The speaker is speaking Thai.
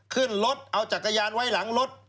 ขึ้นรถเอาจักรยานไว้หลังรถ